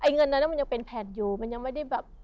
เงินนั้นมันยังเป็นแผ่นอยู่มันยังไม่ได้แบบ